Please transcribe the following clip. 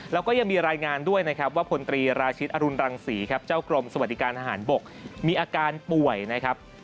แล้วก็ยังมีรายงานด้วยนะครับว่าพลตรีราชิตอรุณรังศรีครับเจ้ากรมสวัสดิการทหารบกมีอาการป่วยนะครับ